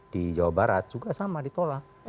di jawa barat juga sama ditolak